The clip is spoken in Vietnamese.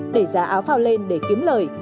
để giá áo phao lên để kiếm lời